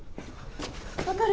分かる？